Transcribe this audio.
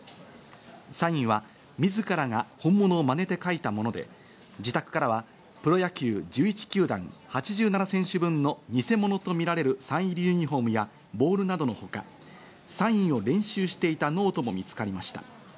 サインは自らが本物を真似て書いたもので、自宅からはプロ野球１１球団８７選手分の偽物とみられるサイン入りユニホームやボールなどのほか、サインを練習していたノートも見つかりました。